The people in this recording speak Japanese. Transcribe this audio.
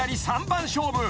３番勝負］